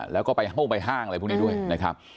แล้วก็มาเป็นโห้มใบห้างอะไรพวกนี้ด้วยนะครับ